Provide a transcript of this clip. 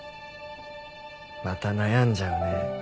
また悩んじゃうね。